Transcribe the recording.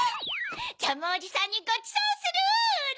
ジャムおじさんにごちそうするの！